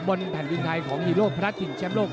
บนแผ่นดินไทยของฮีโร่พระราชถิ่นแชมป์โลก